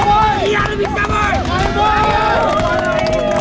mulai dari kemana bro